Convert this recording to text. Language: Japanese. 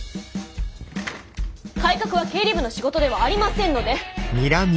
改革は経理部の仕事ではありませんので。